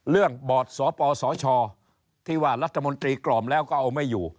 บอร์ดสปสชที่ว่ารัฐมนตรีกล่อมแล้วก็เอาไม่อยู่